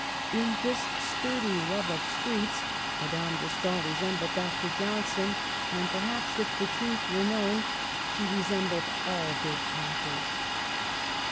In this sturdy love of streets Madame de Stael resembled Dr. Johnson and, perhaps, if the truth were known, she resem bled all good talkers.